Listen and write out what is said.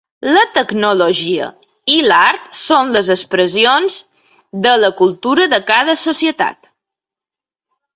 La tecnologia i l'art són les expressions de la cultura de cada societat.